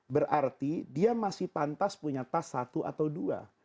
berarti dia masih pantas punya tas satu atau dua